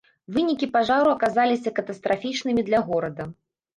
Вынікі пажару аказаліся катастрафічнымі для горада.